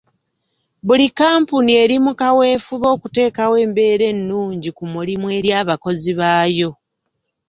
Buli Kampuni eri mu kawefube okuteekawo embeera ennungi ku mulimu eri abakozi baayo.